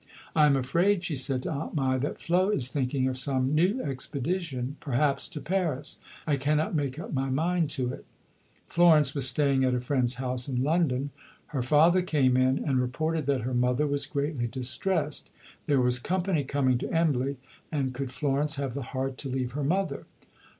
"I am afraid," she said to Aunt Mai, "that Flo is thinking of some new expedition, perhaps to Paris. I cannot make up my mind to it." Florence was staying at a friend's house in London. Her father came in, and reported that her mother was greatly distressed. There was company coming to Embley, and could Florence have the heart to leave her mother?